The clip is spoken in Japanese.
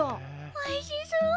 おいしそう！